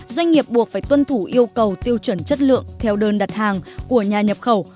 doanh nghiệp buộc phải tuân thủ yêu cầu tiêu chuẩn chất lượng theo đơn đặt hàng của nhà nhập khẩu